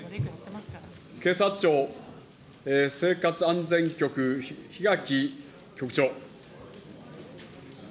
警察庁生活安全局、檜垣局長。